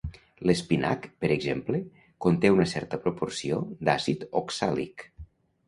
L'espinac, per exemple, conté una certa proporció d'àcid oxàlic.